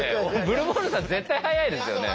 ブルボンヌさん絶対速いですよね。